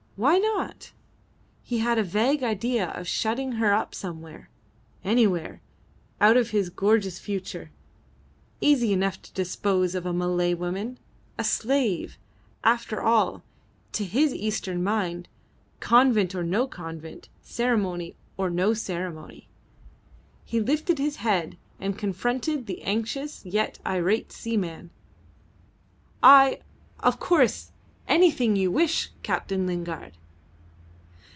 Why not? He had a vague idea of shutting her up somewhere, anywhere, out of his gorgeous future. Easy enough to dispose of a Malay woman, a slave, after all, to his Eastern mind, convent or no convent, ceremony or no ceremony. He lifted his head and confronted the anxious yet irate seaman. "I of course anything you wish, Captain Lingard."